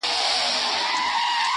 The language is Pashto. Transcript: له کماله یې خواږه انګور ترخه کړه,